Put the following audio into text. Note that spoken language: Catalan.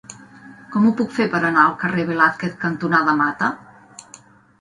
Com ho puc fer per anar al carrer Velázquez cantonada Mata?